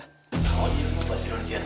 oh iya itu apa sih indonesia